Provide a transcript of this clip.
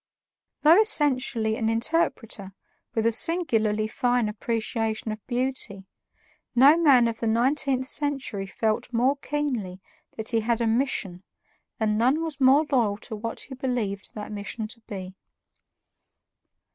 Though essentially an interpreter with a singularly fine appreciation of beauty, no man of the nineteenth century felt more keenly that he had a mission, and none was more loyal to what he believed that mission to be.